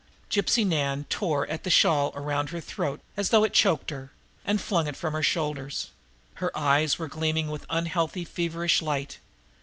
Gypsy Nan tore at the shawl around her throat as though it choked her, and flung it from her shoulders. Her eyes were gleaming with an unhealthy, feverish light.